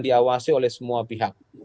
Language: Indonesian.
diawasi oleh semua pihak